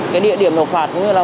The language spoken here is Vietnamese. cái địa điểm nộp phạt cũng như là